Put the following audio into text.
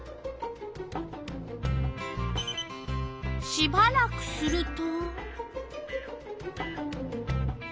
しばらくすると？